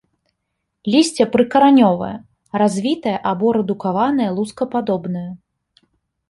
Лісце прыкаранёвае, развітае або рэдукаванае лускападобнае.